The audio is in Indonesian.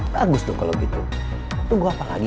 bagus tuh kalau gitu tunggu gue apa lagi